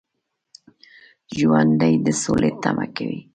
ژوندي د سولې تمه کوي